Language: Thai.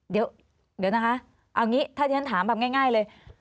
เดี๋ยวเดี๋ยวนะคะเอาอย่างงี้ถ้าที่ฉันถามแบบง่ายง่ายเลย